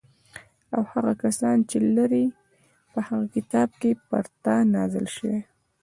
او هغه کسان چې لري په هغه کتاب چې پر تا نازل شوی